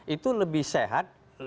itu lebih sehat